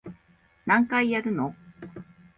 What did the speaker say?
何回やるの